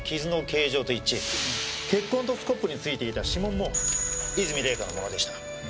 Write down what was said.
血痕とスコップに付いていた指紋も和泉礼香のものでした。